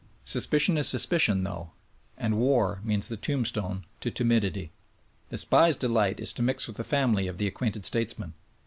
Suspicion is sus picion, though, and war means the tombstone to timidity. The SPIES' delight is to mix with the family of the acquainted statesman.